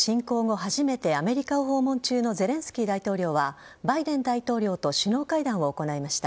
初めてアメリカを訪問中のゼレンスキー大統領はバイデン大統領と首脳会談を行いました。